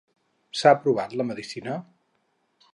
S'ha provat la medicina?